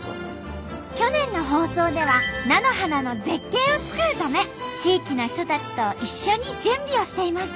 去年の放送では菜の花の絶景をつくるため地域の人たちと一緒に準備をしていました。